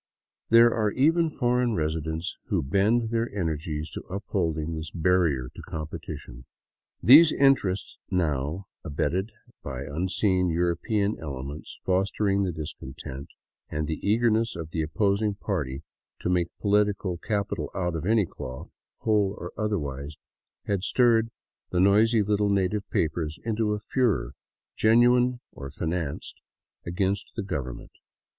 There are even foreign residents who bend their energies to upholding this barrier to competition. These interests now, abetted by unseen European elements foster ing the discontent, and the eagerness of the opposing party to make political capital out of any cloth, whole or otherwise, had stirred the noisy little native papers into a furor, genuine or financed, against the Government.